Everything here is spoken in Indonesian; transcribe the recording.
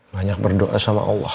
banyak berdoa sama allah